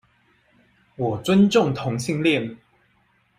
我尊重同性戀